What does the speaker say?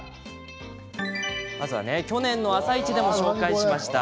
まずは去年の「あさイチ」でも紹介しました